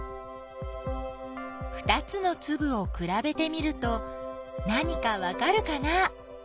ふたつのつぶをくらべてみると何かわかるかな？